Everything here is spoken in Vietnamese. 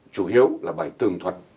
chủ hiếu là bài tường thuật